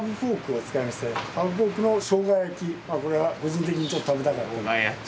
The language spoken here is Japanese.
これは個人的にちょっと食べたかったんで。